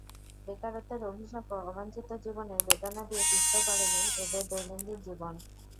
বেকারত্বের অভিশাপও অবাঞ্ছিত জীবনের বেদনা দিয়ে পিষ্ট করেনি এদের দৈনন্দিন জীবন।